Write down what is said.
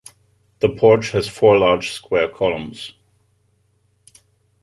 The porch has four large square columns.